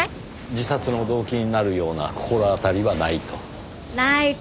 自殺の動機になるような心当たりはないと。